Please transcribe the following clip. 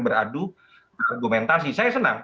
beradu argumentasi saya senang